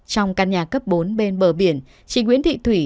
trong căn nhà cấp bốn bên bờ biển chị nguyễn thị thủy